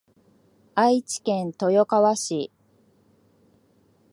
愛知県豊川市